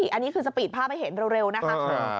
อันนี้คือสปีดภาพให้เห็นเร็วนะคะ